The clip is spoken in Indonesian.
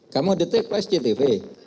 kamu detik pak sctv